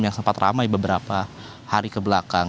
yang sempat ramai beberapa hari kebelakang